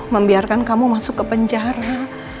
membiarkan kamu masuk ke penjara